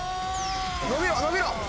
伸びろ伸びろ！